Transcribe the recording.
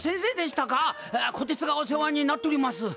こてつがお世話になっとります。